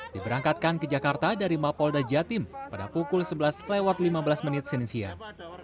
diberangkatkan ke jakarta dari mapolda jatim pada pukul sebelas lewat lima belas menit senin siang